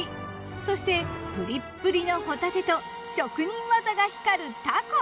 そしてプリップリのほたてと職人技が光るたこ。